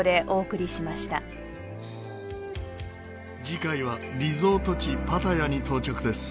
次回はリゾート地パタヤに到着です。